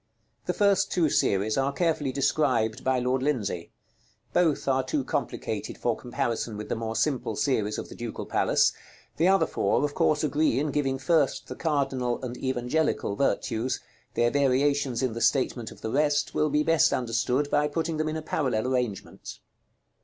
The first two series are carefully described by Lord Lindsay; both are too complicated for comparison with the more simple series of the Ducal Palace; the other four of course agree in giving first the cardinal and evangelical virtues; their variations in the statement of the rest will be best understood by putting them in a parallel arrangement.